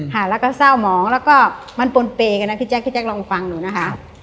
แล้วก็เศร้าหมองแล้วก็มันปนเปกันนะพี่แจ๊กลองฟังหนูนะคะ